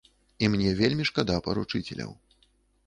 І мне вельмі шкада паручыцеляў.